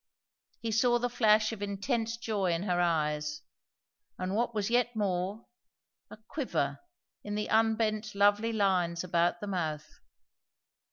He saw the flash of intense joy in her eyes, and what was yet more, a quiver in the unbent lovely lines about the mouth.